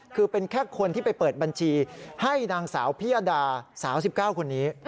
คือเป็นแค่คนที่ไปเปิดบัญชีให้นางสาวพิยดาสาว๑๙คนนี้